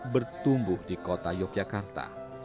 bertumbuh di kota yogyakarta